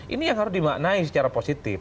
ini yang harus dimaknai secara positif